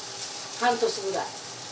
半年ぐらい。